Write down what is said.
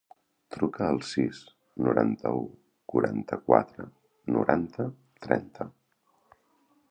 Truca al sis, noranta-u, quaranta-quatre, noranta, trenta.